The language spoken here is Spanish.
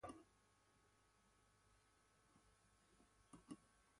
Murió de un infarto de miocardio.